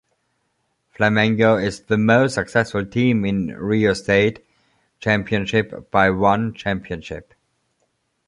Flamengo is the most successful team in Rio State Championship by one championship.